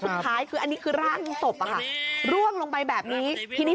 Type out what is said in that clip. สุดท้ายคืออันนี้คือร่างศพอะค่ะร่วงลงไปแบบนี้ทีนี้